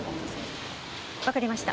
わかりました。